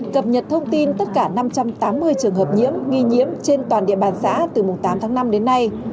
cập nhật thông tin tất cả năm trăm tám mươi trường hợp nhiễm nghi nhiễm trên toàn địa bàn xã từ mùng tám tháng năm đến nay